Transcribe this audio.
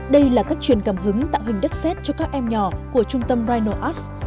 đây là các truyền cảm hứng tạo hình đất xét cho các em nhỏ của trung tâm rhino arts